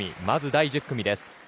まず第１０組です。